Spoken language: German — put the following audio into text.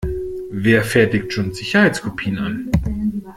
Wer fertigt schon Sicherheitskopien an?